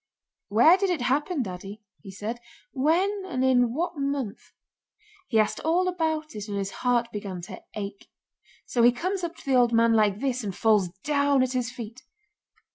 'Where did it happen, Daddy?' he said. 'When, and in what month?' He asked all about it and his heart began to ache. So he comes up to the old man like this, and falls down at his feet!